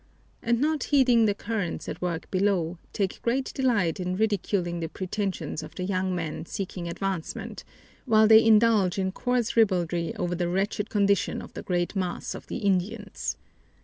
and not heeding the currents at work below, take great delight in ridiculing the pretensions of the young men seeking advancement, while they indulge in coarse ribaldry over the wretched condition of the great mass of the "Indians."